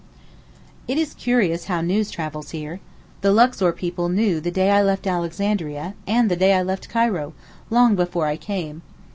It is curious how news travels here. The Luxor people knew the day I left Alexandria, and the day I left Cairo, long before I came.